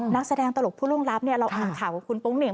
นักแสดงตลกผู้ร่วงลับเนี่ยเราอ่๋นข่าวว่าคุณปกนิ่ง